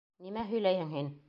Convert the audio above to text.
Нимә һөйләйһең һин?